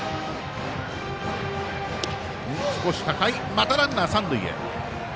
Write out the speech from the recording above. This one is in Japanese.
またランナー、三塁へ。